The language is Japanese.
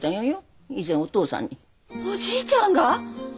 おじいちゃんが？